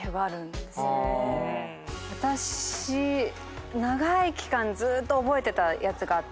私長い期間ずーっと覚えてたやつがあって。